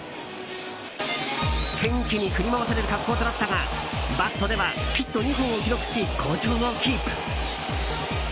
天気に振り回される格好となったがバットではヒット２本を記録し好調をキープ。